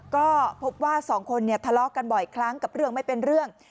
ก็พบว่าสองคนเนี่ยทะเลาะกันบ่อยครั้งกับเรื่องไม่เป็นเรื่อง